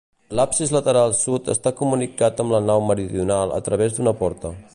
L'absis lateral Sud està comunicat amb la nau meridional a través d'una porta.